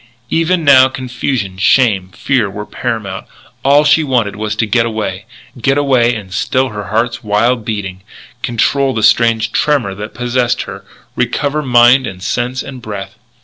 Even now confusion, shame, fear were paramount. All she wanted was to get away, get away and still her heart's wild beating, control the strange tremor that possessed her, recover mind and sense and breath.